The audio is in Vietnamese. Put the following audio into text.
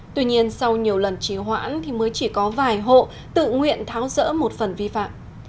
tuy nhiên sau nhiều lần trì hoãn thì mới chỉ có vài hộ tự nguyện tháo rỡ một phần vi phạm